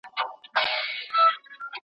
آیا تاریخي حقایق په داستان کي شته؟